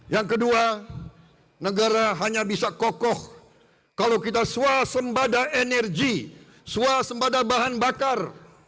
yang kedua negara hanya bisa kokoh kalau kita swasembada energi swasembada bahan bakar